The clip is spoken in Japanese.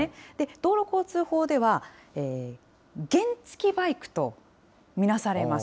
道路交通法では、原付きバイクと見なされます。